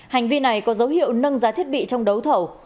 hành vi này có dấu hiệu nâng giá thiết bị trong đấu thầu